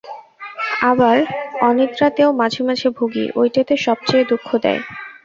আবার অনিদ্রাতেও মাঝে মাঝে ভুগি, ঐটেতে সব চেয়ে দুঃখ দেয়।